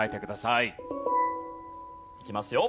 いきますよ。